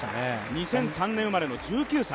２００３年生まれの１９歳。